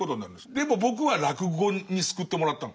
でも僕は落語に救ってもらったの。